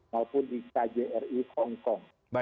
maupun di kjri hongkong